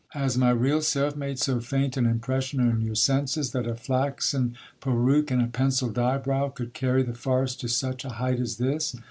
Has my real self made so faint an impression on your senses, that a flaxen peruke and a pencilled eyebrow could carry the farce to such a height as this